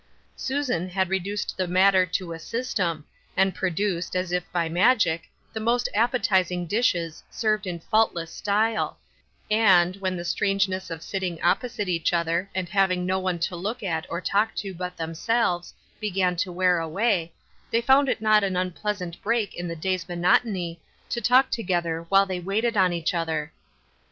Susan had reduced the matter to a sys tem, and produced, as if by magic, the most appetizing dishes, served in faultless style ; and, when the strangeness of sitting opposite each other, and having no one to look at or talk to but themselves, began to wear away, they found it a not unpleasant break in the da}'s monotony to talk together while they waited on each other.